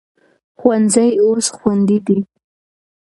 ښوونځي اوس خوندي دي.